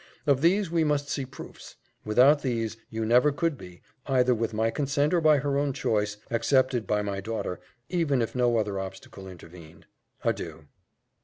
Of these we must see proofs without these you never could be, either with my consent or by her own choice, accepted by my daughter, even if no other obstacle intervened. Adieu."